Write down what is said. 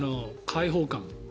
解放感。